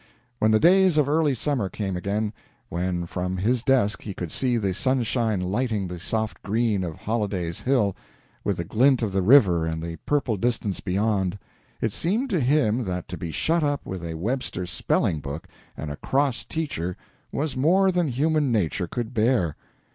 When the days of early summer came again, when from his desk he could see the sunshine lighting the soft green of Holliday's Hill, with the glint of the river and the purple distance beyond, it seemed to him that to be shut up with a Webster spelling book and a cross teacher was more than human nature could bear.